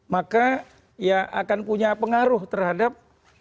maka ya akan punya pengaruh terhadap